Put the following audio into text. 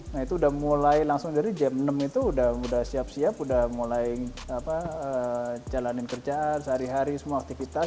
nah itu udah mulai langsung dari jam enam itu udah siap siap udah mulai jalanin kerjaan sehari hari semua aktivitas